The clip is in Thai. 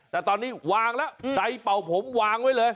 แต่ตอนนี้วางแล้วใดเป่าผมวางไว้เลย